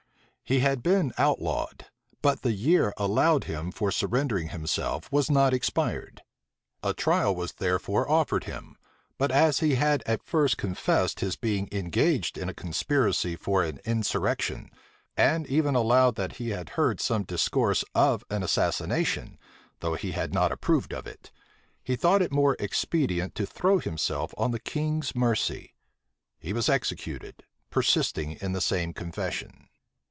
He had been outlawed; but the year allowed him for surrendering himself was not expired. A trial was therefore offered him but as he had at first confessed his being engaged in a conspiracy for an insurrection, and even allowed that he had heard some discourse of an assassination, though he had not approved of it, he thought it more expedient to throw himself on the king's mercy. He was executed, persisting in the same confession.